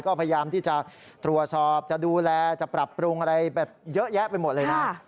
ก็พยายามที่จะตรวจสอบจะดูแลจะปรับปรุงอะไรแบบเยอะแยะไปหมดเลยนะ